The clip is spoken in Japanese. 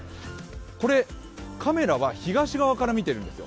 これ、カメラは東側から見てるんですよ。